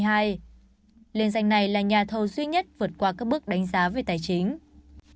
liên danh này là nhà thầu duy nhất vượt qua các bước đánh giá về tài chính